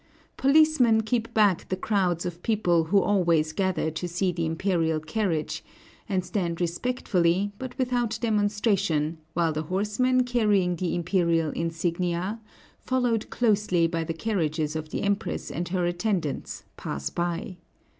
Policemen keep back the crowds of people who always gather to see the imperial carriage, and stand respectfully, but without demonstration, while the horsemen carrying the imperial insignia, followed closely by the carriages of the Empress and her attendants, pass by.